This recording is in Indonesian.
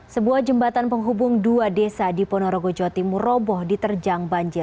sebuah jembatan penghubung dua desa di ponorogo jawa timur roboh diterjang banjir